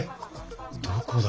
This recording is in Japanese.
どこだ？